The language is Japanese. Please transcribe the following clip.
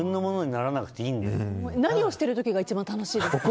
何をしてる時が一番楽しいですか？